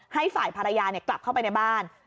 ให้ฝ่ายภรรยากลับเข้าไปในบ้าน